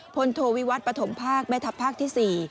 พลโทวิวัฒน์ประถมภาคแม่ทับภาคที่๔